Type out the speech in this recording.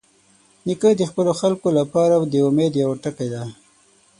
نیکه د خپلو خلکو لپاره د امید یوه ټکۍ ده.